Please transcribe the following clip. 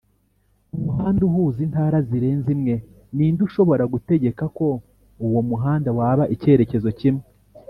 mumuhanda uhuza intara zirenze imwe ninde ushobora gutegeka ko uwo muhanda waba icyerekezo kimwe